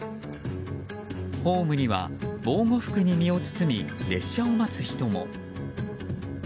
ホームには防護服に身を包み列車を待つ人も。